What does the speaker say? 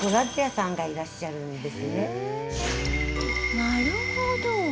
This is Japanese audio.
なるほど。